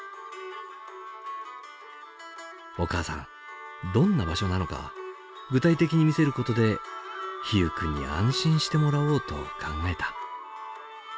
お母さんどんな場所なのか具体的に見せることで陽友君に安心してもらおうと考えた。